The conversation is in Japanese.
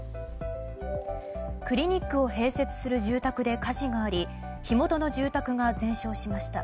クリニックを併設する住宅で火事があり火元の住宅が全焼しました。